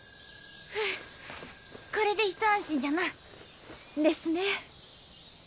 ふぅこれでひと安心じゃな。ですね。